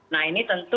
nah ini tentu